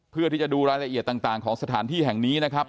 เพื่อที่จะดูรายละเอียดต่างของสถานที่แห่งนี้นะครับ